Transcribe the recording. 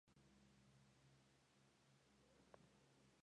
Más tarde, este concepto se aplicaría a los juegos de arcade.